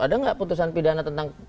ada nggak putusan pidana tentang